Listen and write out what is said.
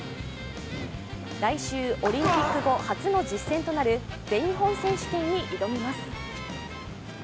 来週、オリンピック後初の実戦となる全日本選手権に挑みます。